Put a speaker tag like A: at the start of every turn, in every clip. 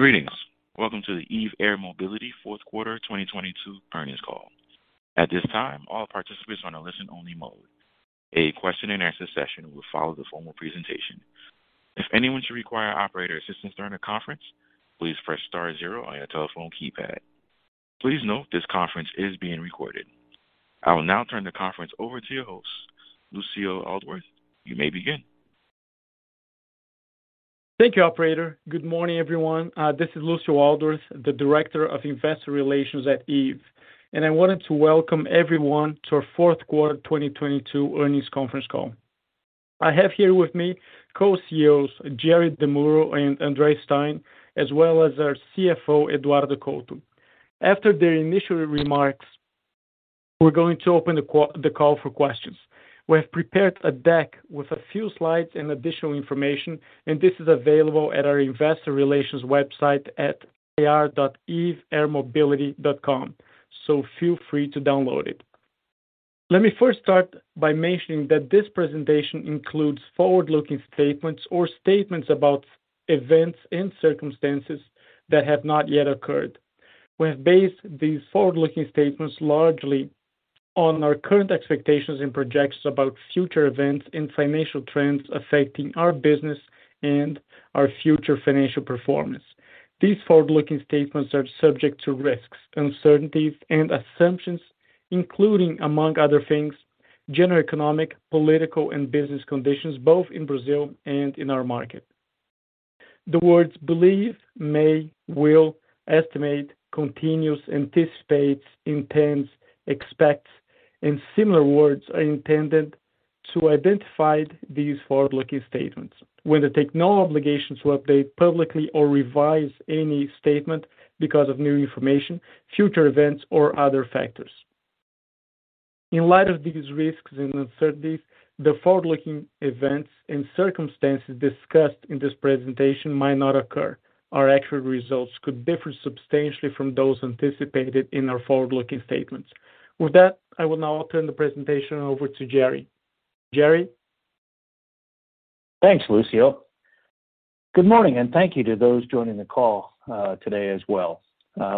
A: Greetings. Welcome to the Eve Air Mobility Fourth Quarter 2022 Earnings Call. At this time, all participants are on a listen only mode. A question and answer session will follow the formal presentation. If anyone should require operator assistance during the conference, please press star zero on your telephone keypad. Please note this conference is being recorded. I will now turn the conference over to your host, Lucio Aldworth. You may begin.
B: Thank you, operator. Good morning, everyone. This is Lucio Aldworth, the Director of Investor Relations at Eve, and I wanted to welcome everyone to our Fourth Quarter 2022 Earnings Conference Call. I have here with me Co-CEOs Gerard DeMuro and André Stein, as well as our CFO, Eduardo Couto. After their initial remarks, we're going to open the call for questions. We have prepared a deck with a few slides and additional information. This is available at our investor relations website at ir.eveairmobility.com, feel free to download it. Let me first start by mentioning that this presentation includes forward-looking statements or statements about events and circumstances that have not yet occurred. We have based these forward-looking statements largely on our current expectations and projections about future events and financial trends affecting our business and our future financial performance. These forward-looking statements are subject to risks, uncertainties, and assumptions, including, among other things, general economic, political, and business conditions, both in Brazil and in our market. The words believe, may, will, estimate, continues, anticipates, intends, expects, and similar words are intended to identify these forward-looking statements. We're gonna take no obligation to update publicly or revise any statement because of new information, future events or other factors. In light of these risks and uncertainties, the forward-looking events and circumstances discussed in this presentation might not occur. Our actual results could differ substantially from those anticipated in our forward-looking statements. With that, I will now turn the presentation over to Jerry. Jerry.
C: Thanks, Lucio. Good morning and thank you to those joining the call, today as well.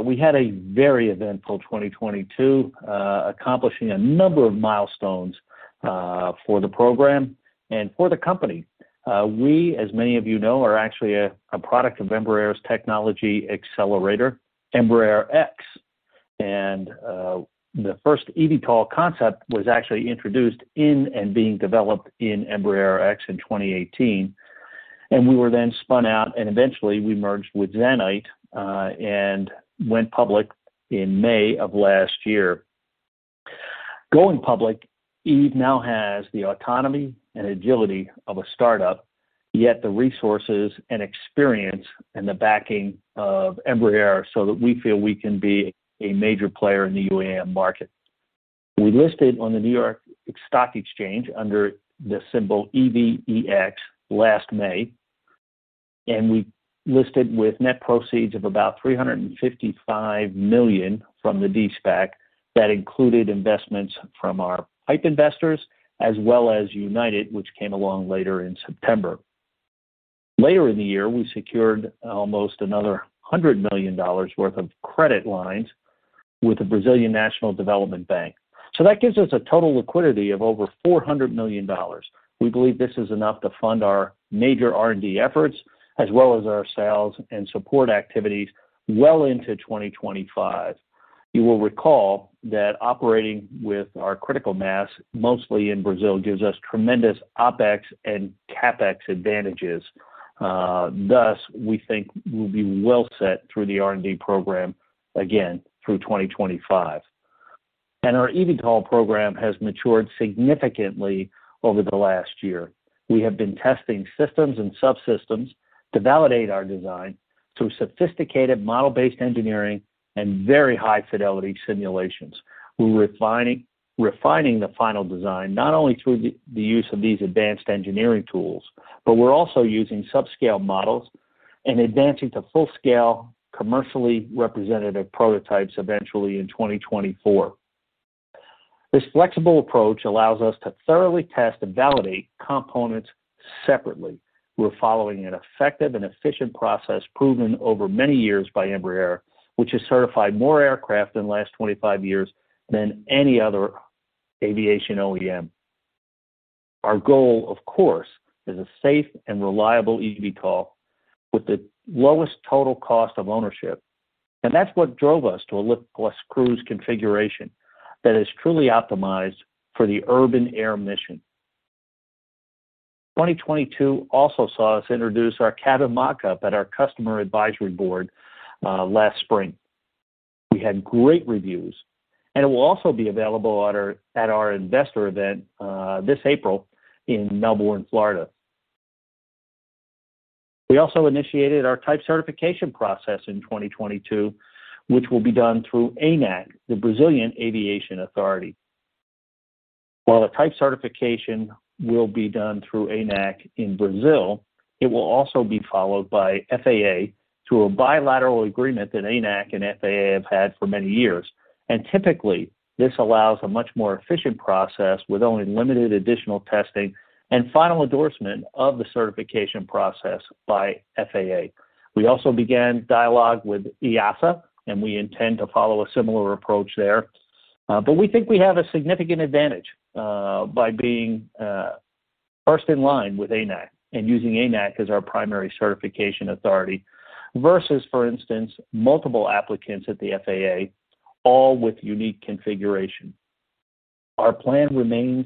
C: We had a very eventful 2022, accomplishing a number of milestones, for the program and for the company. We, as many of you know, are actually a product of Embraer's technology accelerator, Embraer-X. The first eVTOL concept was actually introduced in and being developed in Embraer-X in 2018. We were then spun out, and eventually we merged with Zanite, and went public in May of last year. Going public, Eve now has the autonomy and agility of a start-up, yet the resources and experience and the backing of Embraer so that we feel we can be a major player in the UAM market. We listed on the New York Stock Exchange under the symbol EVEX last May. We listed with net proceeds of about $355 million from the de-SPAC that included investments from our PIPE investors as well as United, which came along later in September. Later in the year, we secured almost another $100 million worth of credit lines with the Brazilian Development Bank. That gives us a total liquidity of over $400 million. We believe this is enough to fund our major R&D efforts as well as our sales and support activities well into 2025. You will recall that operating with our critical mass, mostly in Brazil, gives us tremendous OpEx and CapEx advantages. Thus, we think we'll be well set through the R&D program again through 2025. Our eVTOL program has matured significantly over the last year. We have been testing systems and subsystems to validate our design through sophisticated model-based engineering and very high-fidelity simulations. We're refining the final design not only through the use of these advanced engineering tools, but we're also using subscale models and advancing to full-scale commercially representative prototypes eventually in 2024. This flexible approach allows us to thoroughly test and validate components separately. We're following an effective and efficient process proven over many years by Embraer, which has certified more aircraft in the last 25 years than any other aviation OEM. Our goal, of course, is a safe and reliable eVTOL with the lowest total cost of ownership. That's what drove us to a lift plus cruise configuration that is truly optimized for the Urban Air mission. 2022 also saw us introduce our cabin mockup at our customer advisory board last spring. We had great reviews, and it will also be available at our investor event, this April in Melbourne, Florida. We also initiated our type certification process in 2022, which will be done through ANAC, the Brazilian Aviation Authority. While the type certification will be done through ANAC in Brazil, it will also be followed by FAA through a bilateral agreement that ANAC and FAA have had for many years. Typically, this allows a much more efficient process with only limited additional testing and final endorsement of the certification process by FAA. We also began dialogue with EASA, and we intend to follow a similar approach there. But we think we have a significant advantage by being first in line with ANAC and using ANAC as our primary certification authority versus, for instance, multiple applicants at the FAA, all with unique configuration. Our plan remains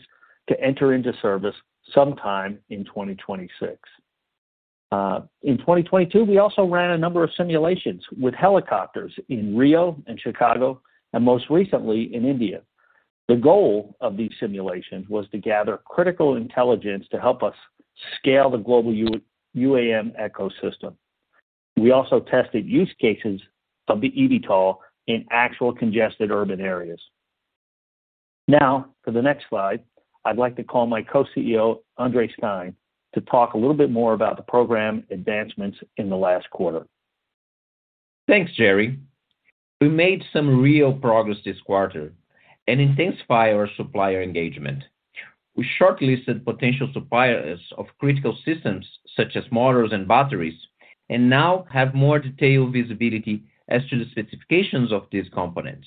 C: to enter into service sometime in 2026. In 2022, we also ran a number of simulations with helicopters in Rio and Chicago and most recently in India. The goal of these simulations was to gather critical intelligence to help us scale the global UAM ecosystem. We also tested use cases of the eVTOL in actual congested urban areas. For the next slide, I'd like to call my Co-CEO, André Stein, to talk a little bit more about the program advancements in the last quarter.
D: Thanks, Jerry. We made some real progress this quarter and intensify our supplier engagement. We shortlisted potential suppliers of critical systems such as motors and batteries, and now have more detailed visibility as to the specifications of these components.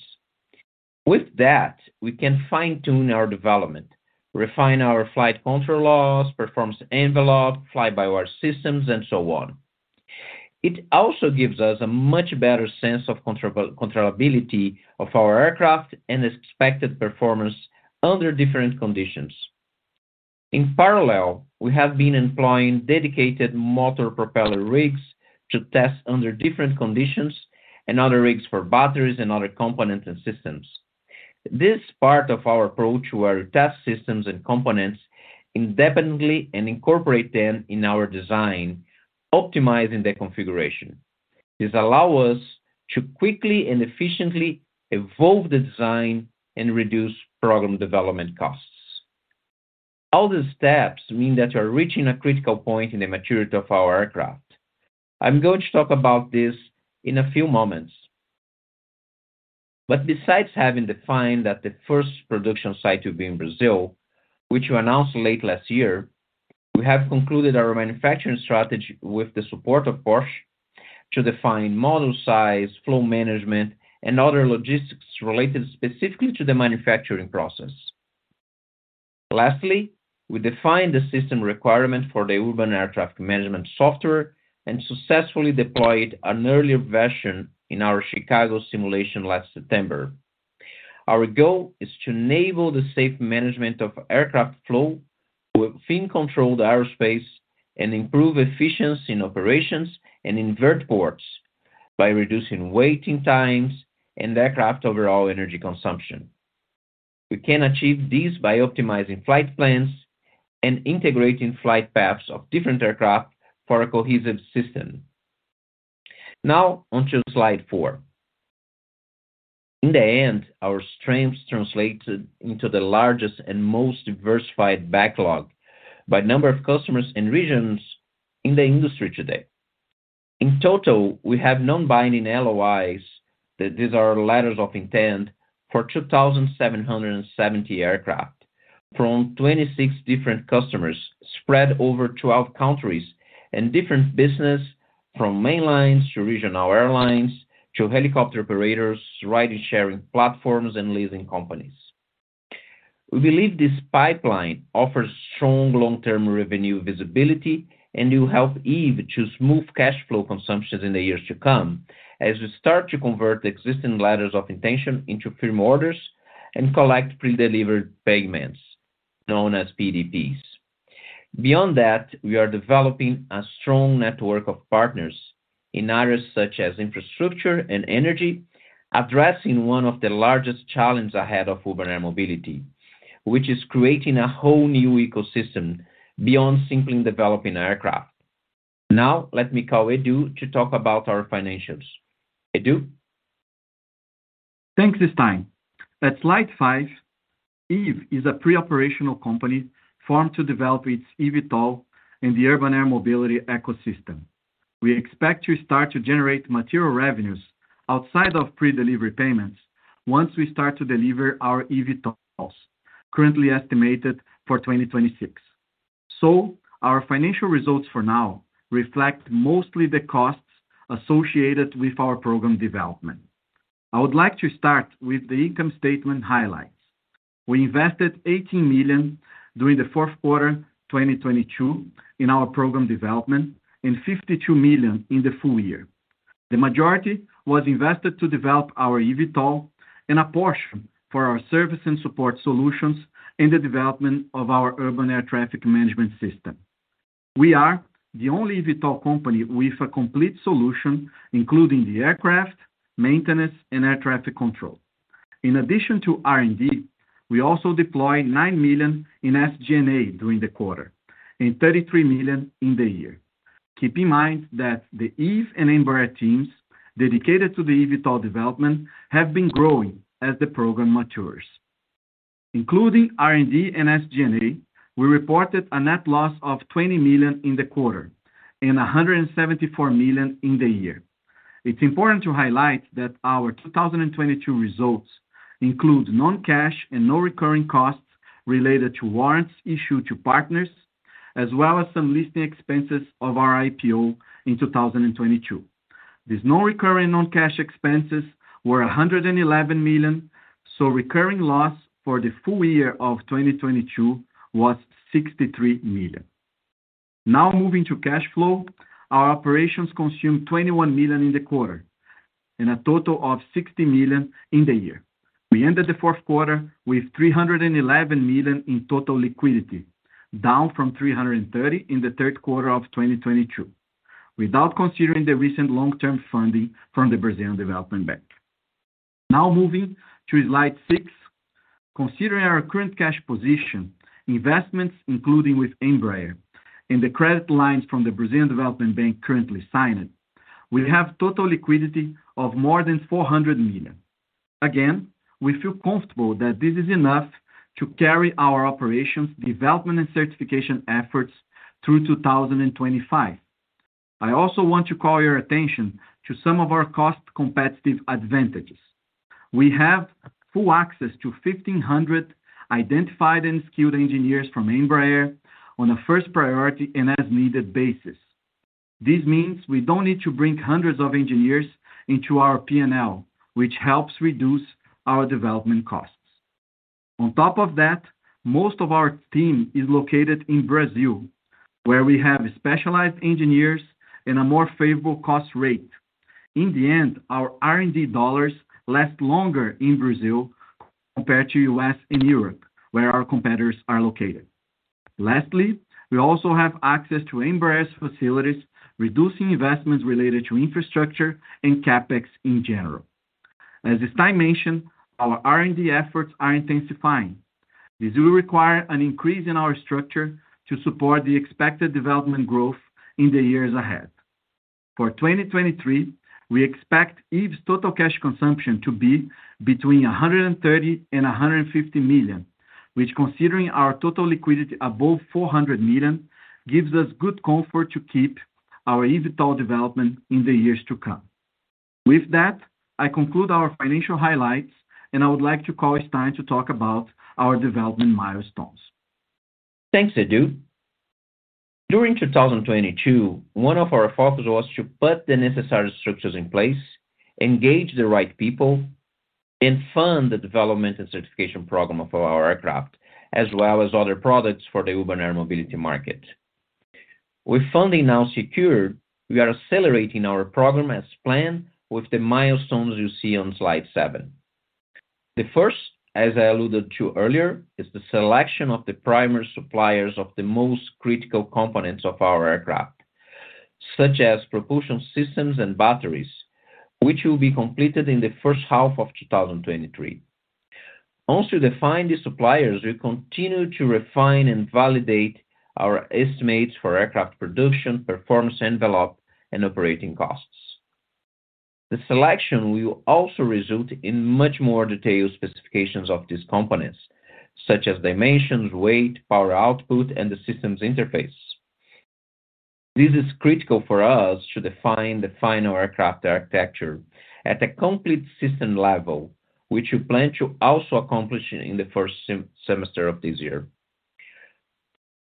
D: With that, we can fine-tune our development, refine our flight control laws, performance envelope, fly-by-wire systems, and so on. It also gives us a much better sense of controllability of our aircraft and expected performance under different conditions. In parallel, we have been employing dedicated motor propeller rigs to test under different conditions and other rigs for batteries and other components and systems. This part of our approach where test systems and components independently and incorporate them in our design, optimizing the configuration. This allow us to quickly and efficiently evolve the design and reduce program development costs. All these steps mean that we're reaching a critical point in the maturity of our aircraft. I'm going to talk about this in a few moments. Besides having defined that the first production site will be in Brazil, which we announced late last year, we have concluded our manufacturing strategy with the support of Porsche to define model size, flow management, and other logistics related specifically to the manufacturing process. Lastly, we defined the system requirement for the Urban Air Traffic Management software and successfully deployed an earlier version in our Chicago simulation last September. Our goal is to enable the safe management of aircraft flow within controlled airspace and improve efficiency in operations and in vertiports by reducing waiting times and aircraft overall energy consumption. We can achieve this by optimizing flight plans and integrating flight paths of different aircraft for a cohesive system. Onto slide four. In the end, our strengths translated into the largest and most diversified backlog by number of customers and regions in the industry today. In total, we have non-binding LOIs, these are letters of intent, for 2,770 aircraft from 26 different customers spread over 12 countries and different business from mainlines to regional airlines to helicopter operators, ridesharing platforms, and leasing companies. We believe this pipeline offers strong long-term revenue visibility and will help Eve to smooth cash flow consumptions in the years to come as we start to convert existing letters of intention into firm orders and collect pre-delivery payments, known as PDPs. Beyond that, we are developing a strong network of partners in areas such as infrastructure and energy, addressing one of the largest challenge ahead of Urban Air Mobility, which is creating a whole new ecosystem beyond simply developing aircraft. Now, let me call Edu to talk about our financials. Edu?
E: Thanks, Stein. At slide five, Eve is a pre-operational company formed to develop its eVTOL in the Urban Air Mobility ecosystem. We expect to start to generate material revenues outside of predelivery payments once we start to deliver our eVTOLs, currently estimated for 2026. Our financial results for now reflect mostly the costs associated with our program development. I would like to start with the income statement highlights. We invested $18 million during the fourth quarter, 2022 in our program development and $52 million in the full year. The majority was invested to develop our eVTOL and a portion for our service and support solutions in the development of our Urban Air Traffic Management system. We are the only eVTOL company with a complete solution, including the aircraft, maintenance, and air traffic control. In addition to R&D, we also deployed $9 million in SG&A during the quarter and $33 million in the year. Keep in mind that the Eve and Embraer teams dedicated to the eVTOL development have been growing as the program matures. Including R&D and SG&A, we reported a net loss of $20 million in the quarter and $174 million in the year. It's important to highlight that our 2022 results include non-cash and non-recurring costs related to warrants issued to partners, as well as some listing expenses of our IPO in 2022. These non-recurring non-cash expenses were $111 million. Recurring loss for the full year of 2022 was $63 million. Moving to cash flow. Our operations consumed $21 million in the quarter and a total of $60 million in the year. We ended the fourth quarter with $311 million in total liquidity, down from $330 in the third quarter of 2022, without considering the recent long-term funding from the Brazilian Development Bank. Now moving to slide six. Considering our current cash position, investments including with Embraer and the credit lines from the Brazilian Development Bank currently signed, we have total liquidity of more than $400 million. Again, we feel comfortable that this is enough to carry our operations, development and certification efforts through 2025. I also want to call your attention to some of our cost competitive advantages. We have full access to 1,500 identified and skilled engineers from Embraer on a first priority and as needed basis. This means we don't need to bring hundreds of engineers into our P&L, which helps reduce our development costs. On top of that, most of our team is located in Brazil, where we have specialized engineers and a more favorable cost rate. In the end, our R&D dollars last longer in Brazil compared to U.S. and Europe, where our competitors are located. Lastly, we also have access to Embraer's facilities, reducing investments related to infrastructure and CapEx in general. As Stein mentioned, our R&D efforts are intensifying. This will require an increase in our structure to support the expected development growth in the years ahead. For 2023, we expect Eve's total cash consumption to be between $130 million and $150 million, which considering our total liquidity above $400 million, gives us good comfort to keep our Eve total development in the years to come. With that, I conclude our financial highlights, and I would like to call Stein to talk about our development milestones.
D: Thanks, Edu. During 2022, one of our focus was to put the necessary structures in place, engage the right people, and fund the development and certification program of our aircraft, as well as other products for the Urban Air Mobility market. With funding now secure, we are accelerating our program as planned with the milestones you see on slide seven. The first, as I alluded to earlier, is the selection of the primary suppliers of the most critical components of our aircraft, such as propulsion systems and batteries, which will be completed in the first half of 2023. Once we define the suppliers, we continue to refine and validate our estimates for aircraft production, performance envelope, and operating costs. The selection will also result in much more detailed specifications of these components, such as dimensions, weight, power output, and the system's interface. This is critical for us to define the final aircraft architecture at a complete system level, which we plan to also accomplish in the first semester of this year.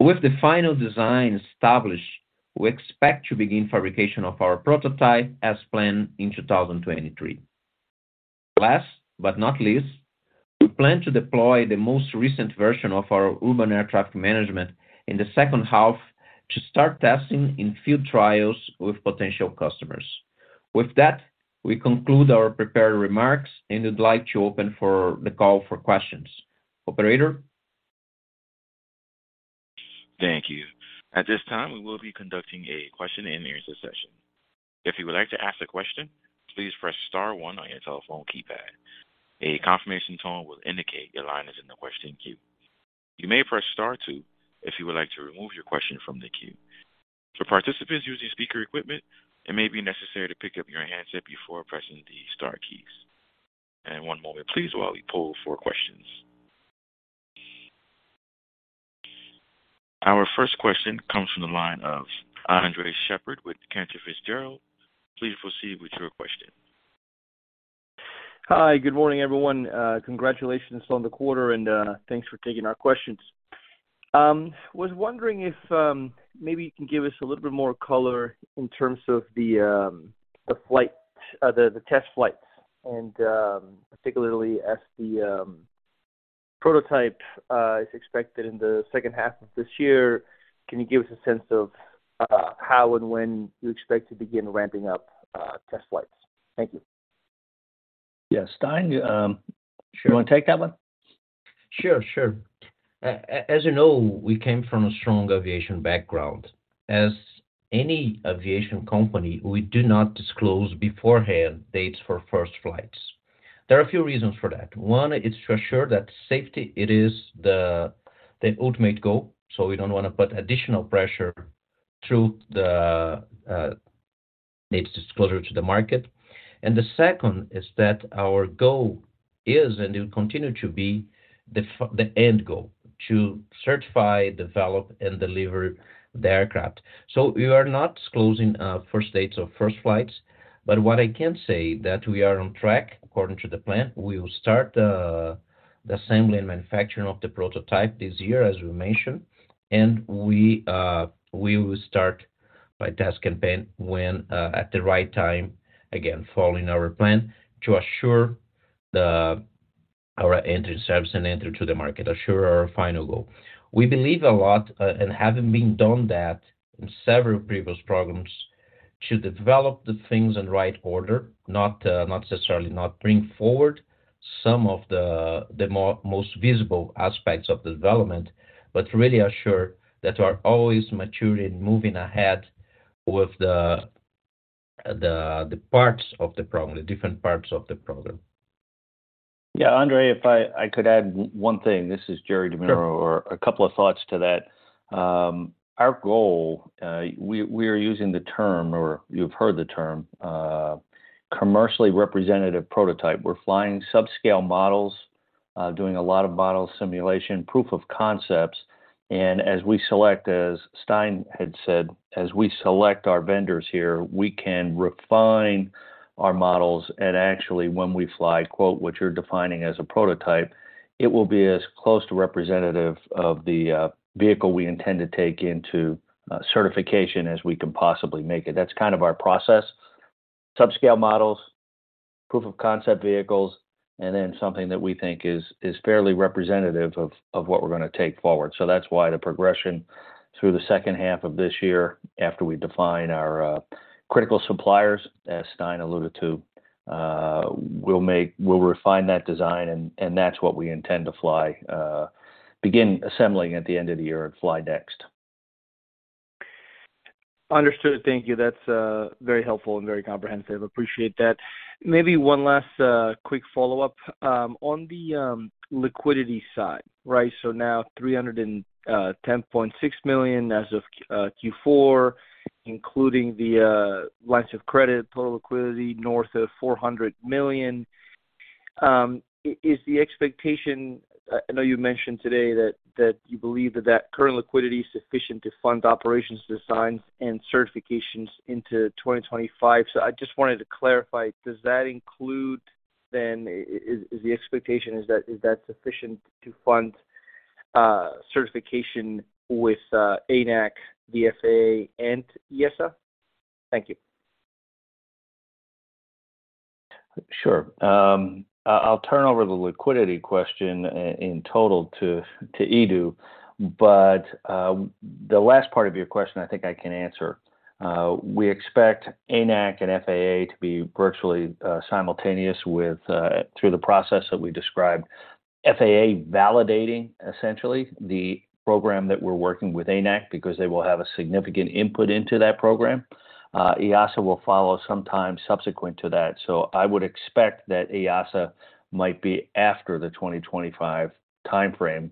D: With the final design established, we expect to begin fabrication of our prototype as planned in 2023. Last but not least, we plan to deploy the most recent version of our Urban Air Traffic Management in the second half to start testing in field trials with potential customers. With that, we conclude our prepared remarks and would like to open for the call for questions. Operator?
A: Thank you. At this time, we will be conducting a question and answer session. If you would like to ask a question, please press star one on your telephone keypad. A confirmation tone will indicate your line is in the question queue. You may press star two if you would like to remove your question from the queue. For participants using speaker equipment, it may be necessary to pick up your handset before pressing the star keys. One moment please while we poll for questions. Our first question comes from the line of Andres Sheppard with Cantor Fitzgerald. Please proceed with your question.
F: Hi. Good morning, everyone. Congratulations on the quarter and thanks for taking our questions. Was wondering if maybe you can give us a little bit more color in terms of the test flights and particularly as the prototype is expected in the second half of this year, can you give us a sense of how and when you expect to begin ramping up test flights? Thank you.
E: Yeah. Stein,
D: Sure.
E: You wanna take that one?
D: Sure, sure. As you know, we came from a strong aviation background. As any aviation company, we do not disclose beforehand dates for first flights. There are a few reasons for that. One is to assure that safety it is the ultimate goal, so we don't wanna put additional pressure through its disclosure to the market. The second is that our goal is, and it will continue to be the end goal, to certify, develop, and deliver the aircraft. We are not closing first dates or first flights. What I can say that we are on track according to the plan. We will start the assembly and manufacturing of the prototype this year, as we mentioned. We will start my test campaign when at the right time, again, following our plan to assure our entry service and enter to the market, assure our final goal. We believe a lot, and having been done that in several previous programs, to develop the things in right order, not necessarily not bring forward some of the most visible aspects of the development, but really assure that we're always maturing, moving ahead with the parts of the program, the different parts of the program.
C: Yeah. André, if I could add one thing. This is Jerry DeMuro.
D: Sure.
C: A couple of thoughts to that. Our goal, we are using the term or you've heard the term, commercially representative prototype. We're flying subscale models, doing a lot of model simulation, proof of concepts. As we select, as Stein had said, as we select our vendors here, we can refine our models. Actually, when we fly, quote, "what you're defining as a prototype," it will be as close to representative of the vehicle we intend to take into certification as we can possibly make it. That's kind of our process. Subscale models, proof of concept vehicles, and then something that we think is fairly representative of what we're gonna take forward. That's why the progression through the second half of this year, after we define our critical suppliers, as Stein alluded to, we'll make, we'll refine that design and that's what we intend to fly, begin assembling at the end of the year and fly next.
F: Understood. Thank you. That's very helpful and very comprehensive. Appreciate that. Maybe one last quick follow-up. On the liquidity side, right? Now $310.6 million as of Q4, including the lines of credit, total liquidity north of $400 million. I know you mentioned today that you believe that current liquidity is sufficient to fund operations designs and certifications into 2025. I just wanted to clarify, does that include then, is the expectation is that sufficient to fund certification with ANAC, the FAA and EASA? Thank you.
C: Sure. I'll turn over the liquidity question in total to Edu. The last part of your question, I think I can answer. We expect ANAC and FAA to be virtually simultaneous with through the process that we described. FAA validating essentially the program that we're working with ANAC because they will have a significant input into that program. EASA will follow sometime subsequent to that. I would expect that EASA might be after the 2025 timeframe.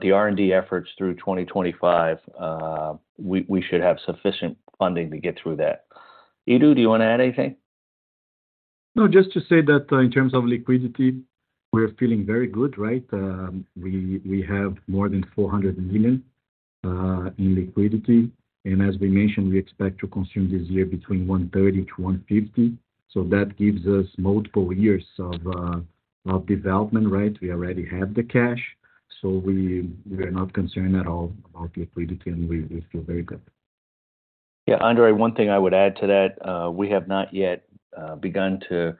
C: The R&D efforts through 2025, we should have sufficient funding to get through that. Edu, do you want to add anything?
E: No. Just to say that in terms of liquidity, we're feeling very good, right? We have more than $400 million in liquidity. As we mentioned, we expect to consume this year between $130-$150. That gives us multiple years of development, right? We already have the cash, we are not concerned at all about liquidity, and we feel very good.
C: Yeah. Andres, one thing I would add to that, we have not yet begun to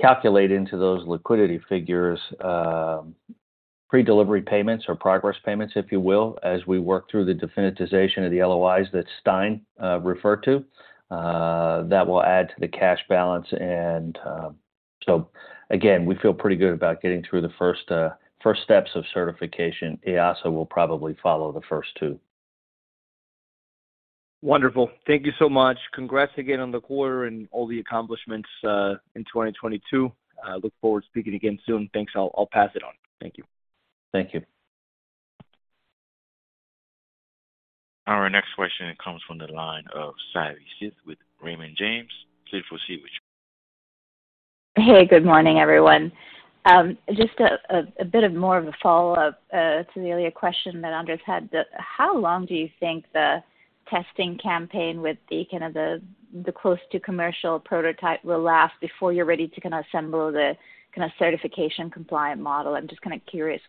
C: calculate into those liquidity figures, pre-delivery payments or progress payments, if you will, as we work through the definitization of the LOIs that Stein referred to, that will add to the cash balance. Again, we feel pretty good about getting through the first steps of certification. EASA will probably follow the first two.
F: Wonderful. Thank you so much. Congrats again on the quarter and all the accomplishments in 2022. I look forward to speaking again soon. Thanks. I'll pass it on. Thank you.
C: Thank you.
A: Our next question comes from the line of Savanthi Syth with Raymond James. Please proceed with your question.
G: Hey, good morning, everyone. Just a bit more of a follow-up to really a question that Andres had. How long do you think the testing campaign with the kind of the close to commercial prototype will last before you're ready to kinda assemble the kinda certification compliant model? I'm just kinda curious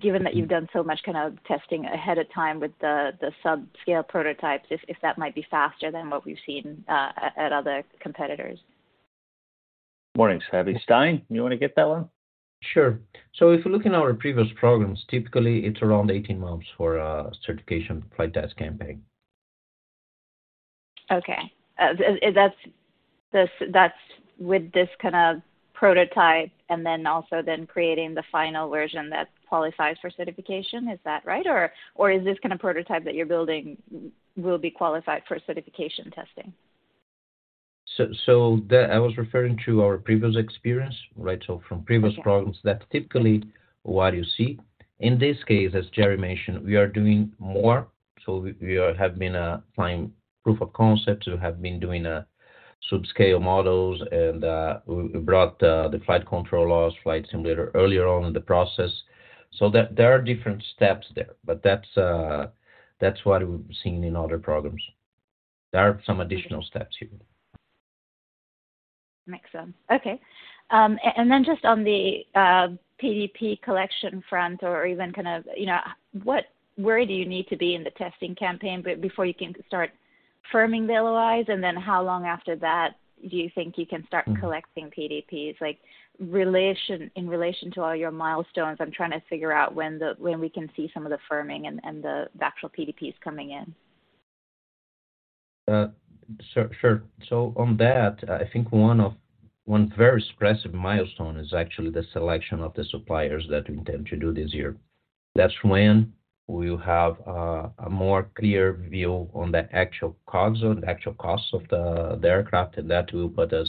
G: Given that you've done so much kind of testing ahead of time with the subscale prototypes, if that might be faster than what we've seen at other competitors.
C: Morning, Savanthi. Stein, you wanna get that one?
D: Sure. If you look in our previous programs, typically it's around 18 months for a certification flight test campaign.
G: Okay. That's with this kind of prototype and then also then creating the final version that qualifies for certification. Is that right? Or is this kind of prototype that you're building will be qualified for certification testing?
D: I was referring to our previous experience, right? from
G: Okay
D: Programs, that's typically what you see. In this case, as Jerry mentioned, we are doing more, we have been flying proof of concept. We have been doing subscale models and we brought the flight controllers, flight simulator earlier on in the process, there are different steps there. That's that's what we've seen in other programs. There are some additional steps here.
G: Makes sense. Okay. Then just on the PDP collection front or even kind of, you know, where do you need to be in the testing campaign before you can start firming the LOIs? How long after that do you think you can start collecting PDPs? Like relation, in relation to all your milestones, I'm trying to figure out when we can see some of the firming and the actual PDPs coming in.
D: Sure. On that, I think one very expressive milestone is actually the selection of the suppliers that we intend to do this year. That's when we'll have a more clear view on the actual costs and actual costs of the aircraft, and that will put us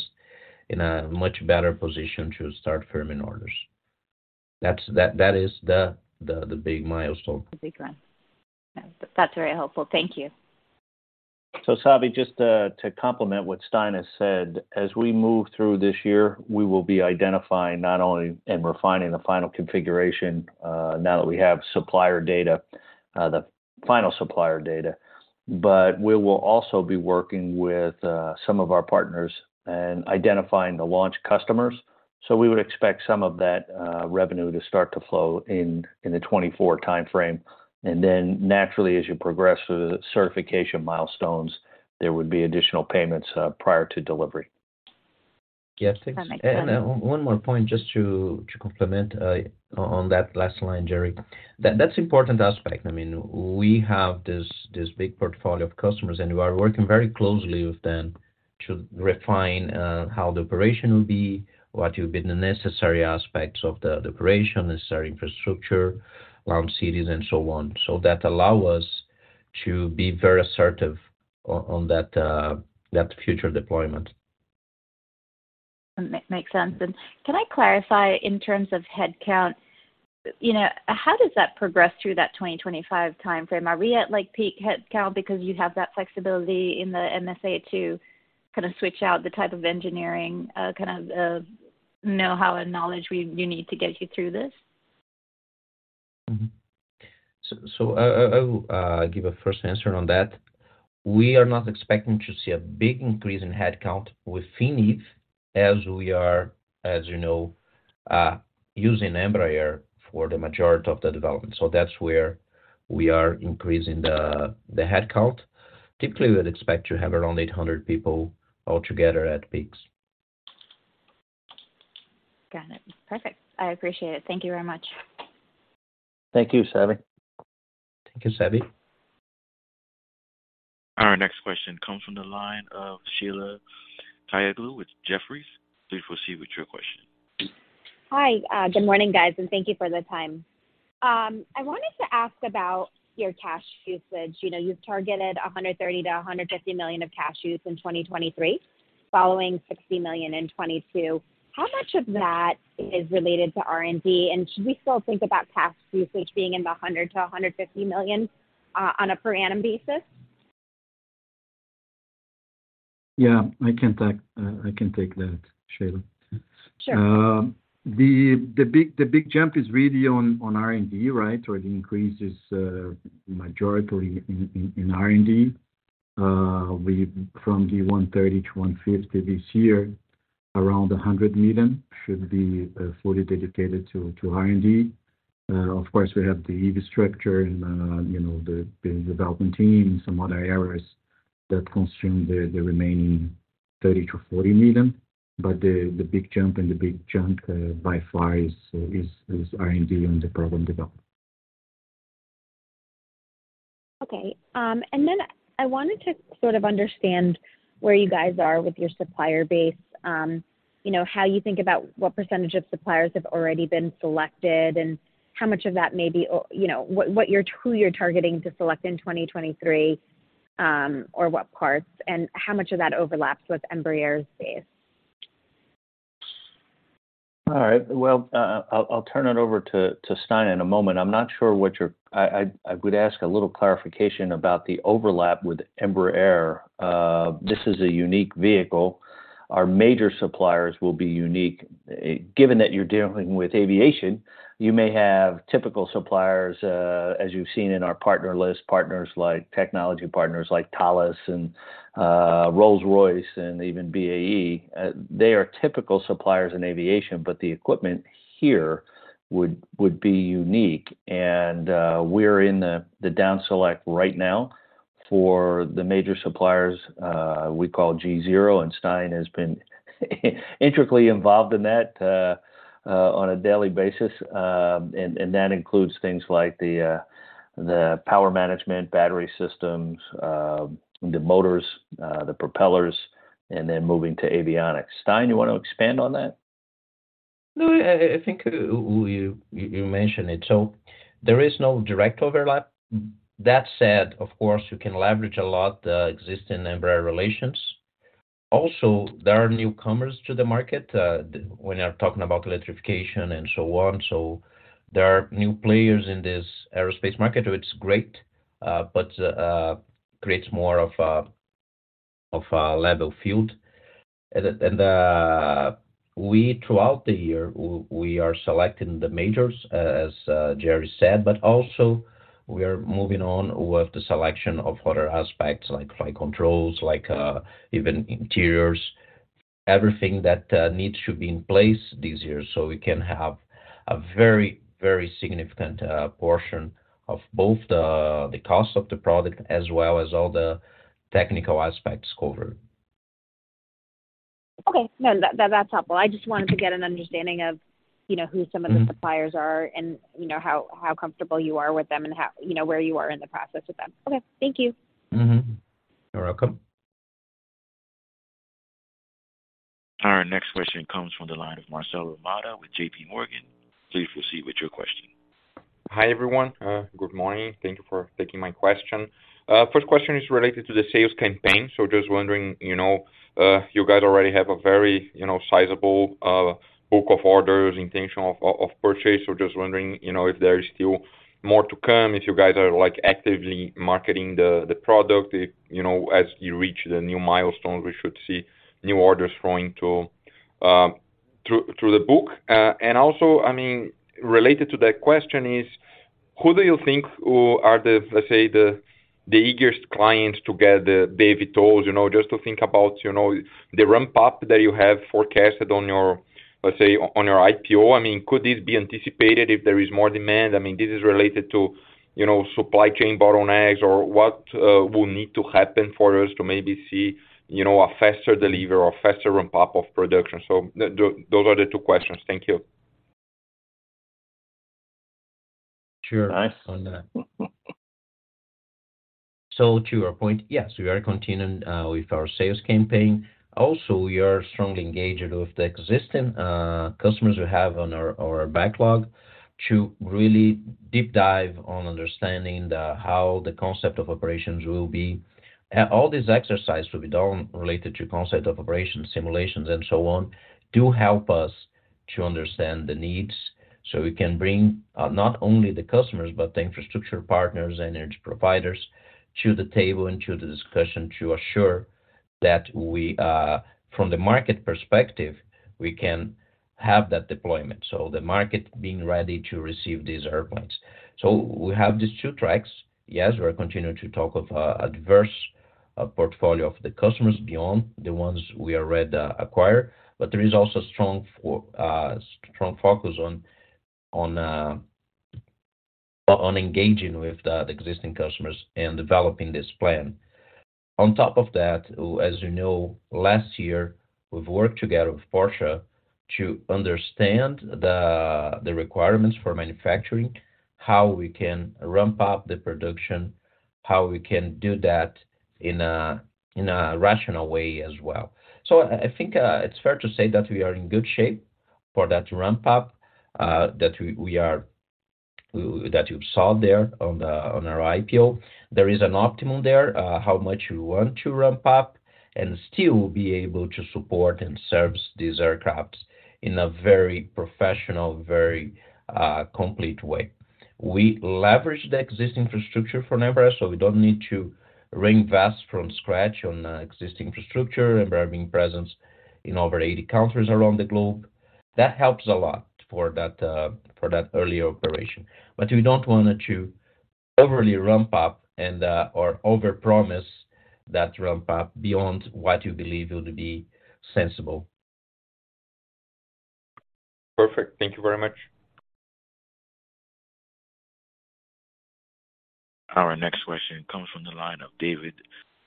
D: in a much better position to start firming orders. That is the big milestone.
G: The big one. Yeah. That's very helpful. Thank you.
C: Savanthi, just to complement what Stein has said, as we move through this year, we will be identifying not only and refining the final configuration, now that we have supplier data, the final supplier data, but we will also be working with some of our partners and identifying the launch customers. We would expect some of that revenue to start to flow in the 2024 timeframe. Naturally, as you progress through the certification milestones, there would be additional payments prior to delivery.
D: Yeah. Thanks.
G: That makes sense.
D: One more point just to complement on that last line, Jerry. That's important aspect. I mean, we have this big portfolio of customers, and we are working very closely with them to refine how the operation will be, what will be the necessary aspects of the operation, necessary infrastructure, launch cities and so on. That allow us to be very assertive on that future deployment.
G: Makes sense. Can I clarify in terms of headcount, you know, how does that progress through that 2025 timeframe? Are we at like peak headcount because you have that flexibility in the MSA to kind of switch out the type of engineering, kind of know-how and knowledge you need to get you through this?
D: I will give a first answer on that. We are not expecting to see a big increase in headcount within Eve as we are, as you know, using Embraer for the majority of the development. That's where we are increasing the headcount. Typically, we'd expect to have around 800 people altogether at peaks.
G: Got it. Perfect. I appreciate it. Thank you very much.
C: Thank you, Savanthi.
D: Thank you, Savanthi.
A: Our next question comes from the line of Sheila Kahyaoglu with Jefferies. Please proceed with your question.
H: Hi. Good morning, guys, thank you for the time. I wanted to ask about your cash usage. You know, you've targeted $130 million-$150 million of cash use in 2023, following $60 million in 2022. How much of that is related to R&D, and should we still think about cash usage being in the $100 million-$150 million on a per annum basis?
D: Yeah. I can take that, Sheila.
H: Sure.
D: The big jump is really on R&D, right? Or the increase is majoritively in R&D. From the $130 million to $150 million this year, around $100 million should be fully dedicated to R&D. Of course, we have the Eve structure and, you know, the development team, some other areas that consume the remaining $30 million to $40 million. The big jump and the big chunk, by far is R&D on the program development.
H: Then I wanted to sort of understand where you guys are with your supplier base. You know, how you think about what percentage of suppliers have already been selected, and how much of that may be, you know, who you're targeting to select in 2023, or what parts, and how much of that overlaps with Embraer's base?
C: All right. Well, I'll turn it over to Stein in a moment. I'm not sure what you're. I would ask a little clarification about the overlap with Embraer. This is a unique vehicle. Our major suppliers will be unique. Given that you're dealing with aviation, you may have typical suppliers, as you've seen in our partner list, partners like technology partners like Thales and Rolls-Royce and even BAE. They are typical suppliers in aviation, but the equipment here would be unique. We're in the down select right now for the major suppliers, we call G-Zero, and Stein has been intricately involved in that on a daily basis. And that includes things like the power management, battery systems, the motors, the propellers, and then moving to avionics. Stein, you wanna expand on that?
D: No, I think you mentioned it. There is no direct overlap. That said, of course, you can leverage a lot the existing Embraer relations. Also, there are newcomers to the market when you're talking about electrification and so on. There are new players in this aerospace market, which is great, but creates more of a level field. We throughout the year, we are selecting the majors, as Jerry said, but also we are moving on with the selection of other aspects like flight controls, like even interiors, everything that needs to be in place this year so we can have a very significant portion of both the cost of the product as well as all the technical aspects covered.
H: Okay. No, that's helpful. I just wanted to get an understanding of, you know, who some of the suppliers are and, you know, how comfortable you are with them and how you know, where you are in the process with them. Okay, thank you.
D: You're welcome.
A: Our next question comes from the line of Marcelo Motta with JP Morgan. Please proceed with your question.
I: Hi, everyone. Good morning. Thank you for taking my question. First question is related to the sales campaign. Just wondering, you know, you guys already have a very, you know, sizable book of orders, intention of purchase. Just wondering, you know, if there is still more to come, if you guys are, like, actively marketing the product, if, you know, as you reach the new milestone, we should see new orders flowing to through the book. Also, I mean, related to that question is, who do you think are the, let's say, the eagerst clients to get the eVTOL, you know, just to think about, you know, the ramp-up that you have forecasted on your, let's say, on your IPO. I mean, could this be anticipated if there is more demand? I mean, this is related to, you know, supply chain bottlenecks or what will need to happen for us to maybe see, you know, a faster delivery or faster ramp-up of production. Those are the two questions. Thank you.
D: Sure.
I: Nice one.
D: To your point, yes, we are continuing with our sales campaign. We are strongly engaged with the existing customers we have on our backlog to really deep dive on understanding how the concept of operations will be. All this exercise will be done related to concept of operations, simulations, and so on, do help us to understand the needs, so we can bring not only the customers, but the infrastructure partners and energy providers to the table and to the discussion to assure that we, from the market perspective, we can have that deployment. The market being ready to receive these airplanes. We have these two tracks. Yes, we're continuing to talk of a diverse portfolio of the customers beyond the ones we already acquire. There is also strong focus on engaging with the existing customers and developing this plan. On top of that, as you know, last year, we've worked together with Porsche to understand the requirements for manufacturing, how we can ramp up the production, how we can do that in a rational way as well. I think it's fair to say that we are in good shape for that ramp up that we are that you saw there on our IPO. There is an optimum there, how much you want to ramp up and still be able to support and service these aircrafts in a very professional, very complete way. We leverage the existing infrastructure for Embraer, so we don't need to reinvest from scratch on existing infrastructure. Embraer being present in over 80 countries around the globe. That helps a lot for that, for that early operation. We don't wanted to overly ramp up and, or overpromise that ramp up beyond what you believe would be sensible.
I: Perfect. Thank you very much.
A: Our next question comes from the line of David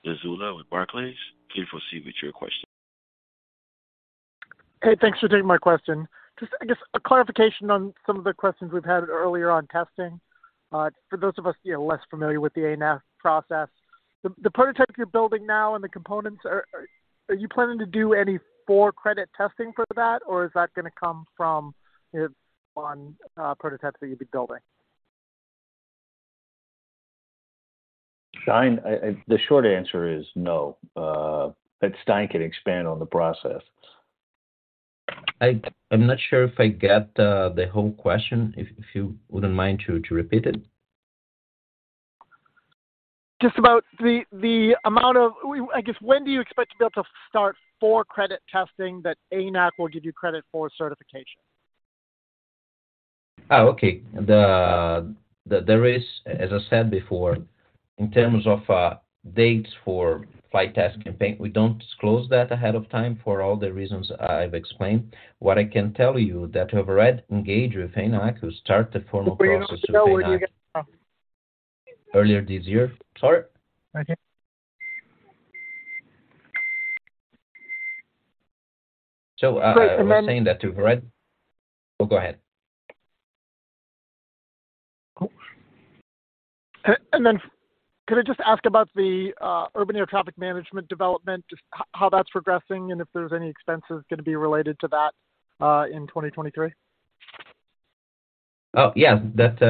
A: Zazula with Barclays. Please proceed with your question.
J: Hey, thanks for taking my question. Just, I guess, a clarification on some of the questions we've had earlier on testing, for those of us, you know, less familiar with the ANAC process. The prototype you're building now and the components, are you planning to do any four credit testing for that, or is that gonna come from, you know, on prototypes that you'd be building?
C: David, The short answer is no. Stein can expand on the process. I'm not sure if I get the whole question. If you wouldn't mind to repeat it.
J: Just about the amount of I guess, when do you expect to be able to start for credit testing that ANAC will give you credit for certification?
C: Oh, okay. There is, as I said before, in terms of dates for flight test campaign, we don't disclose that ahead of time for all the reasons I've explained. What I can tell you that we've already engaged with ANAC to start the formal process with ANAC.
J: You don't know where you get from.
C: Earlier this year. Sorry?
J: Okay.
C: So, uh-
J: And then-
C: I was saying that to already... Oh, go ahead.
J: Could I just ask about the Urban Air Traffic Management development, just how that's progressing and if there's any expenses gonna be related to that in 2023?
C: Oh, yeah. That's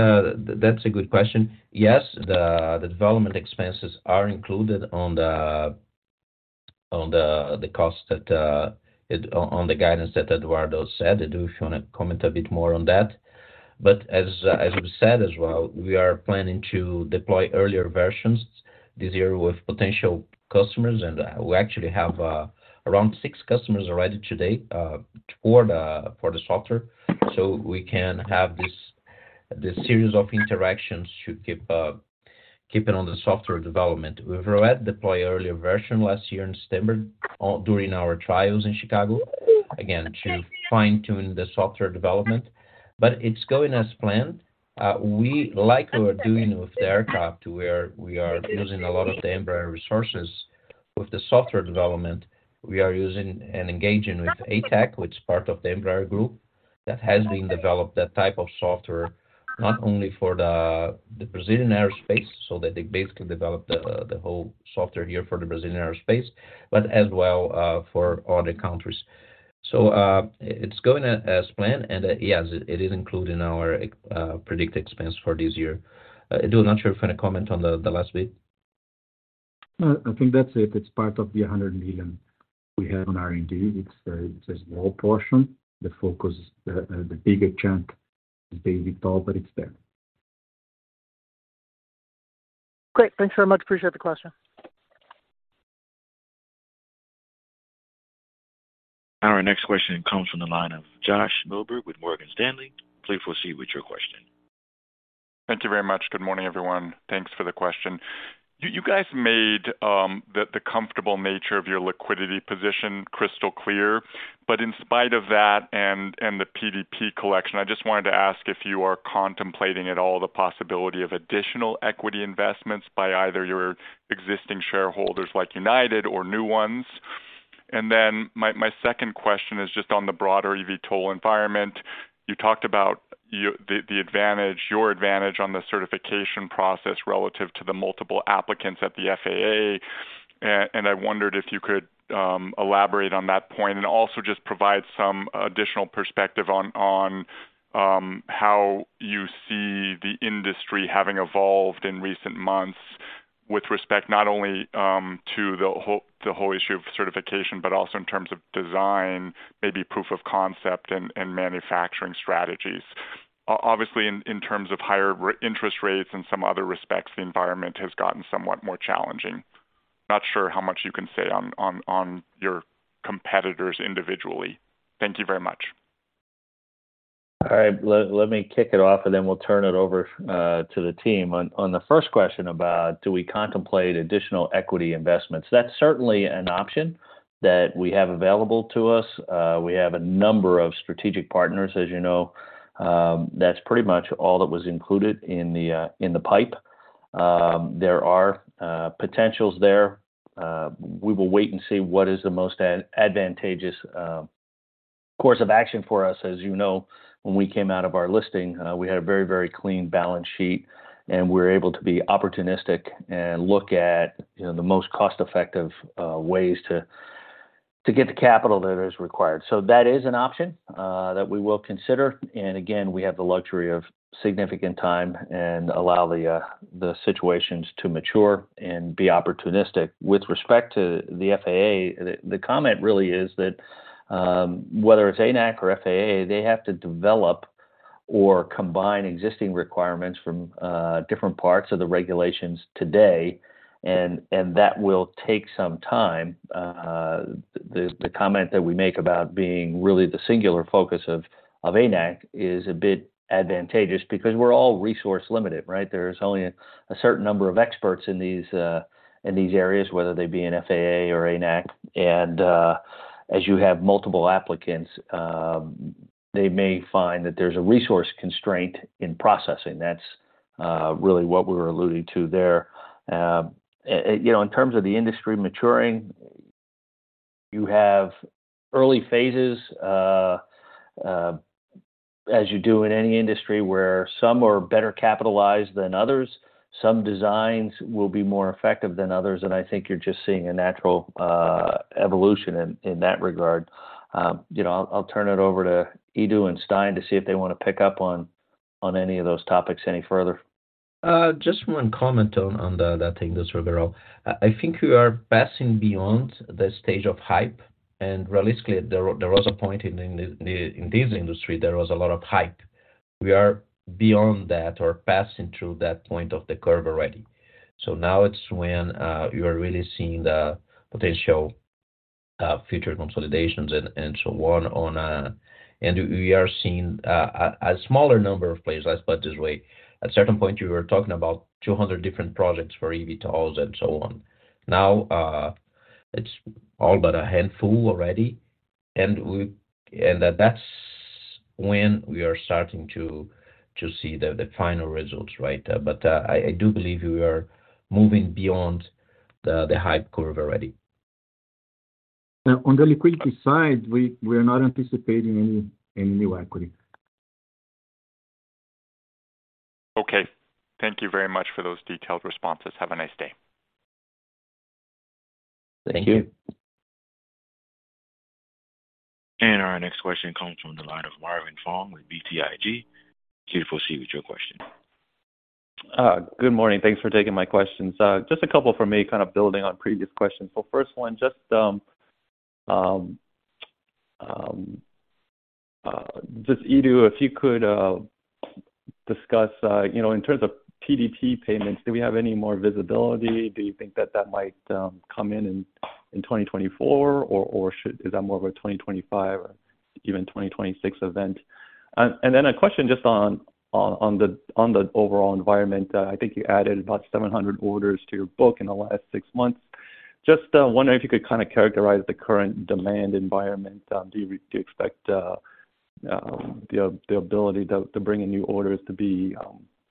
C: a good question. Yes, the development expenses are included on the cost that on the guidance that Eduardo said. Edu, if you wanna comment a bit more on that. As we said as well, we are planning to deploy earlier versions this year with potential customers, and we actually have around six customers already today for the software. We can have this series of interactions to keep keeping on the software development. We've already deployed earlier version last year in December during our trials in Chicago, again, to fine-tune the software development. It's going as planned. Like we're doing with the aircraft, we are using a lot of the Embraer resources. With the software development, we are using and engaging with Atech, which is part of the Embraer group, that has been developed that type of software not only for the Brazilian airspace, so that they basically developed the whole software here for the Brazilian airspace, but as well, for other countries. It's going as planned. Yes, it is included in our predicted expense for this year. Edu, not sure if you wanna comment on the last bit?
E: No, I think that's it. It's part of the $100 million we have on R&D. It's a small portion. The focus, the bigger chunk is the eVTOL, but it's there.
J: Great. Thanks very much. Appreciate the question.
A: Our next question comes from the line of Uncertain with Morgan Stanley. Please proceed with your question.
K: Thank you very much. Good morning, everyone. Thanks for the question. You guys made the comfortable nature of your liquidity position crystal clear. In spite of that and the PDP collection, I just wanted to ask if you are contemplating at all the possibility of additional equity investments by either your existing shareholders like United or new ones. My second question is just on the broader eVTOL environment. You talked about the advantage, your advantage on the certification process relative to the multiple applicants at the FAA, and I wondered if you could elaborate on that point and also just provide some additional perspective on how you see the industry having evolved in recent months with respect not only to the whole issue of certification, but also in terms of design, maybe proof of concept and manufacturing strategies. Obviously, in terms of higher interest rates in some other respects, the environment has gotten somewhat more challenging. Not sure how much you can say on your competitors individually. Thank you very much.
C: All right. Let me kick it off, and then we'll turn it over to the team. On the first question about do we contemplate additional equity investments, that's certainly an option that we have available to us. We have a number of strategic partners, as you know. That's pretty much all that was included in the in the PIPE. There are potentials there. We will wait and see what is the most advantageous course of action for us. As you know, when we came out of our listing, we had a very, very clean balance sheet, and we're able to be opportunistic and look at, you know, the most cost-effective ways to get the capital that is required. So that is an option that we will consider. Again, we have the luxury of significant time and allow the situations to mature and be opportunistic. With respect to the FAA, the comment really is that whether it's ANAC or FAA, they have to develop or combine existing requirements from different parts of the regulations today and that will take some time. The comment that we make about being really the singular focus of ANAC is a bit advantageous because we're all resource limited, right? There's only a certain number of experts in these areas, whether they be in FAA or ANAC. As you have multiple applicants, they may find that there's a resource constraint in processing. That's really what we're alluding to there. You know, in terms of the industry maturing, you have early phases, as you do in any industry, where some are better capitalized than others, some designs will be more effective than others, and I think you're just seeing a natural evolution in that regard. You know, I'll turn it over to Edu and Stein to see if they wanna pick up on any of those topics any further.
D: Just one comment on that industry overall. I think we are passing beyond the stage of hype. Realistically, there was a point in this industry there was a lot of hype. We are beyond that or passing through that point of the curve already. Now it's when you are really seeing the potential future consolidations and so on. We are seeing a smaller number of players, let's put it this way. At certain point, you were talking about 200 different projects for eVTOLs and so on. Now, it's all but a handful already, and that's when we are starting to see the final results, right? I do believe we are moving beyond the hype curve already. Now on the liquidity side, we are not anticipating any new equity.
K: Okay. Thank you very much for those detailed responses. Have a nice day.
D: Thank you.
A: Our next question comes from the line of Marvin Fong with BTIG. Please proceed with your question.
L: Good morning. Thanks for taking my questions. Just a couple from me kind of building on previous questions. First one, just Edu, if you could discuss, you know, in terms of PDP payments, do we have any more visibility? Do you think that might come in 2024 or is that more of a 2025 or even 2026 event? A question just on the overall environment. I think you added about 700 orders to your book in the last six months. Just wondering if you could kind of characterize the current demand environment. Do you expect the ability to bring in new orders to be,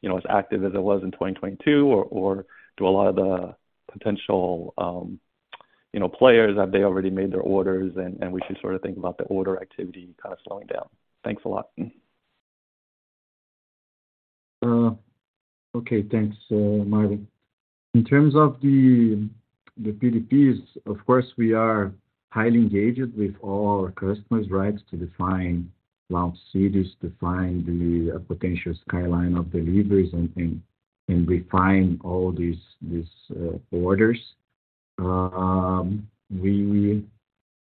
L: you know, as active as it was in 2022? Do a lot of the potential, you know, players, have they already made their orders and we should sort of think about the order activity kind of slowing down? Thanks a lot.
D: Okay. Thanks, Marvin. In terms of the PDPs, of course, we are highly engaged with all our customers, right? To define launch cities, to find the potential skyline of deliveries and refine all these orders.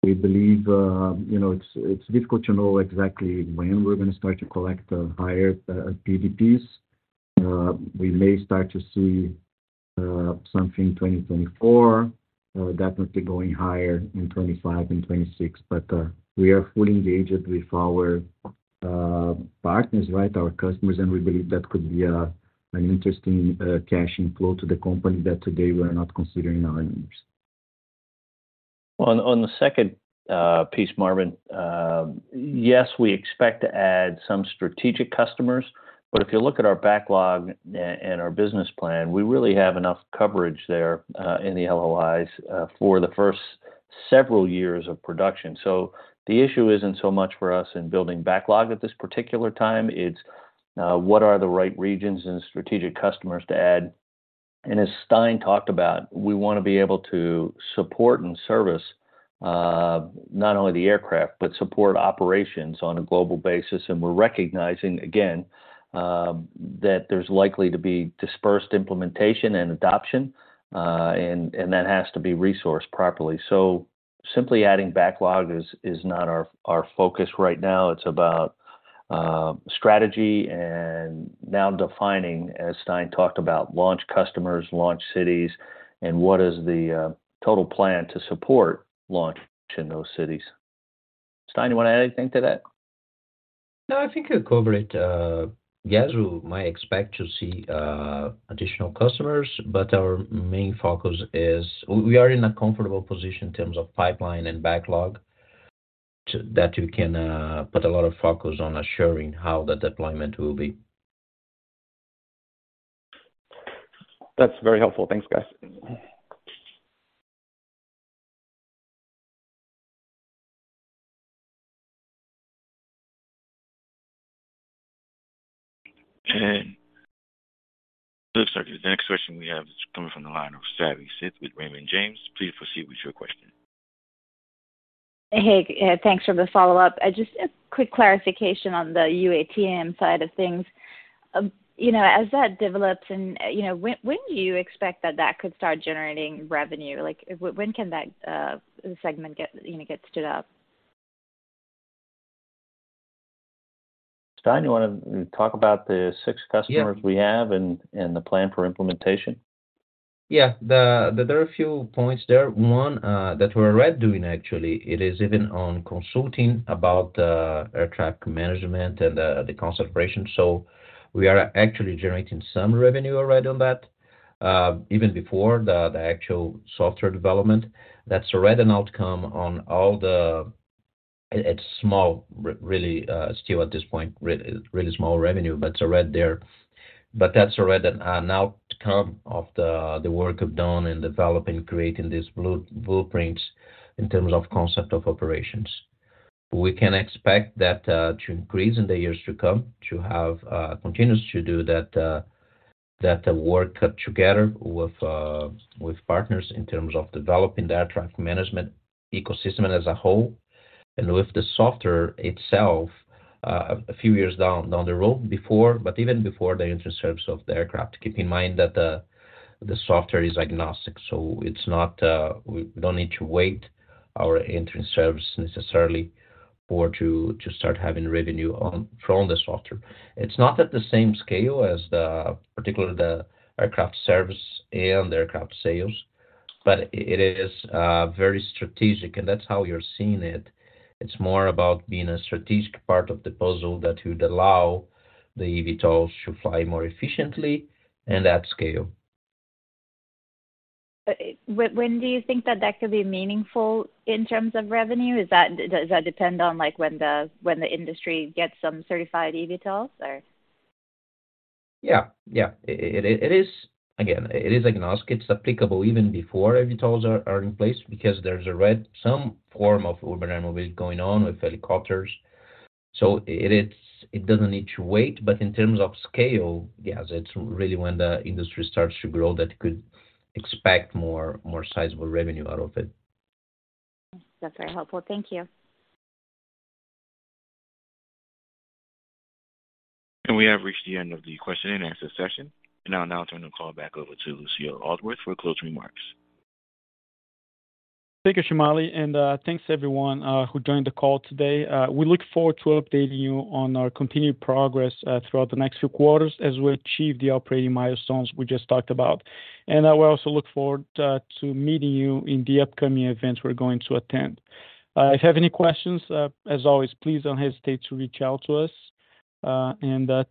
D: We believe, you know, it's difficult to know exactly when we're gonna start to collect higher PDPs. We may start to see something 2024. Definitely going higher in 2025 and 2026. We are fully engaged with our partners, right? Our customers, and we believe that could be an interesting cash inflow to the company that today we're not considering our numbers.
C: On the second piece, Marvin. Yes, we expect to add some strategic customers, but if you look at our backlog and our business plan, we really have enough coverage there, in the LOIs, for the first several years of production. The issue isn't so much for us in building backlog at this particular time. It's, what are the right regions and strategic customers to add? As Stein talked about, we wanna be able to support and service, not only the aircraft, but support operations on a global basis. We're recognizing again, that there's likely to be dispersed implementation and adoption, and that has to be resourced properly. Simply adding backlog is not our focus right now. It's about strategy and now defining, as Stein talked about, launch customers, launch cities, and what is the total plan to support launch in those cities. Stein, you wanna add anything to that?
D: No, I think you covered it. Yes, we might expect to see additional customers, but our main focus is we are in a comfortable position in terms of pipeline and backlog that we can put a lot of focus on assuring how the deployment will be.
L: That's very helpful. Thanks, guys.
A: It looks like the next question we have is coming from the line of Savanthi Syth with Raymond James. Please proceed with your question.
G: Hey, thanks for the follow-up. Just a quick clarification on the UATM side of things. You know, as that develops and, you know, when do you expect that that could start generating revenue? Like when can that segment get, you know, get stood up?
C: Stein, you wanna talk about the six customers-
D: Yeah.
C: We have and the plan for implementation?
D: Yeah. There are a few points there. One, that we're already doing actually, it is even on consulting about air traffic management and the concentration. We are actually generating some revenue already on that even before the actual software development. That's already an outcome. It's really, still at this point, really small revenue, but it's already there. That's already an outcome of the work we've done in developing, creating these blueprints in terms of concept of operations. We can expect that to increase in the years to come, to have continuous to do that work together with partners in terms of developing the air traffic management ecosystem as a whole. With the software itself, a few years down the road before, but even before the entry service of the aircraft. Keep in mind that the software is agnostic, so it's not, we don't need to wait our entry service necessarily to start having revenue on, from the software. It's not at the same scale as the, particularly the aircraft service and aircraft sales, but it is very strategic, and that's how you're seeing it. It's more about being a strategic part of the puzzle that would allow the eVTOLs to fly more efficiently and at scale.
G: When do you think that could be meaningful in terms of revenue? Does that depend on, like, when the industry gets some certified eVTOLs, or?
D: Yeah. Yeah. It is agnostic. It's applicable even before eVTOLs are in place because there's already some form of Urban Air Mobility going on with helicopters. It doesn't need to wait. In terms of scale, yes, it's really when the industry starts to grow that you could expect more sizable revenue out of it.
G: That's very helpful. Thank you.
A: We have reached the end of the question and answer session, and I'll now turn the call back over to Lucio Aldworth for closing remarks.
B: Thank you, Shamali. Thanks everyone who joined the call today. We look forward to updating you on our continued progress throughout the next few quarters as we achieve the operating milestones we just talked about. We also look forward to meeting you in the upcoming events we're going to attend. If you have any questions, as always, please don't hesitate to reach out to us.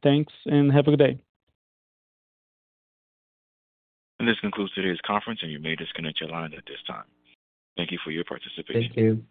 B: Thanks, and have a good day.
A: This concludes today's conference, and you may disconnect your line at this time. Thank you for your participation.
B: Thank you.